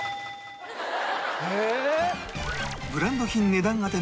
ブランド品値段当て